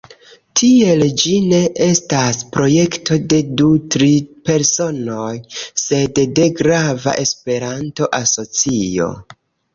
Tiel ĝi ne estas projekto de du-tri personoj, sed de grava Esperanto-asocio.